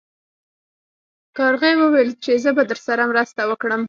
کارغې وویل چې زه به درسره مرسته وکړم.